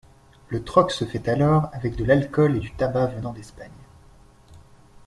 Le troc se fait alors avec de l’alcool et du tabac venant d’Espagne.